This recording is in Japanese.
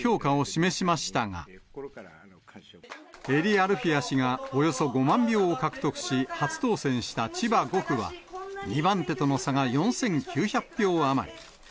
アルフィヤ氏がおよそ５万票を獲得し、初当選した千葉５区は、２番目との差が４９００票余り。